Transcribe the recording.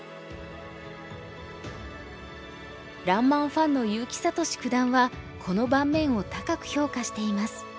ファンの結城聡九段はこの盤面を高く評価しています。